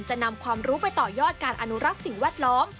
นำความรู้ไปต่อยอดการอนุรักษ์สิ่งแวดล้อม